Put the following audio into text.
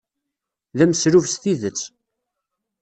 D ameslub s tidet.